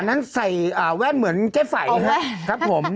อันนั้นใส่แว่นเหมือนเจ๋ฝ่ายครับ